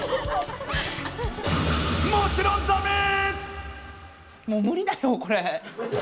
もちろんダメー！